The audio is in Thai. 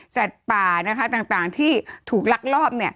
สัตว์ป่านะคะต่างที่ถูกรักรอบเนี่ย